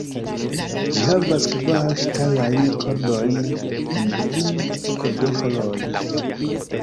Ĝi havas kvar ŝtalajn kordojn en kvin kordoĥoroj.